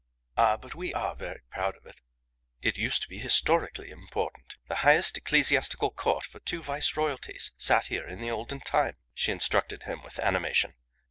"Ah, but we are very proud of it. It used to be historically important. The highest ecclesiastical court for two viceroyalties, sat here in the olden time," she instructed him with animation.